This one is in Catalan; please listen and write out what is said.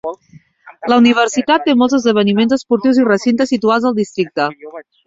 La universitat té molts esdeveniments esportius i recintes situats al districte.